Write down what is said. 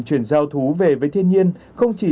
chuyển giao thú về với thiên nhiên không chỉ